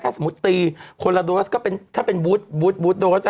ถ้าสมมุติตีคนละโดสก็เป็นถ้าเป็นบูธบูธบูธโดส